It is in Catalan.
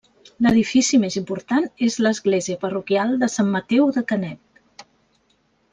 L'edifici més important és l'església parroquial de Sant Mateu de Canet.